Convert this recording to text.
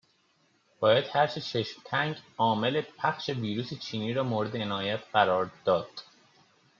باید هر چه چشم تنگ عامل پخش ویروس چینی را مورد عنایت قرار داد